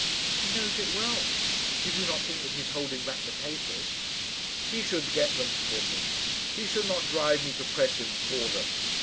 "He knows it well. You do not think that he is holding back the papers?" "He should get them for me. He should not drive me to press him for them.